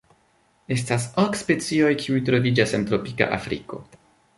Estas ok specioj kiuj troviĝas en tropika Afriko.